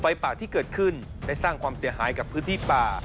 ป่าที่เกิดขึ้นได้สร้างความเสียหายกับพื้นที่ป่า